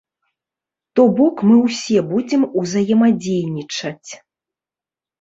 То бок мы ўсе будзем узаемадзейнічаць.